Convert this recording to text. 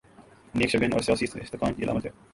نیک شگون اور سیاسی استحکام کی علامت ہے۔